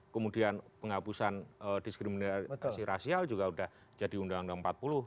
kemudian penghapusan diskriminasi rasial juga udah jadi undang undang empat puluh dua ribu delapan